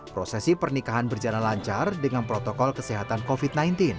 prosesi pernikahan berjalan lancar dengan protokol kesehatan covid sembilan belas